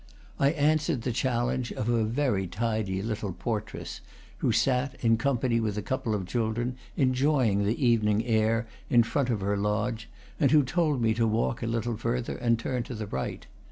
I answered the challenge of a very tidy little portress, who sat, in company with a couple of children, en joying the evening air in, front of her lodge, and who told me to walk a little further and turn to the right.